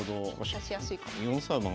指しやすいかも。